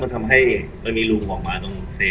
สวัสดีครับวันนี้เราจะกลับมาเมื่อไหร่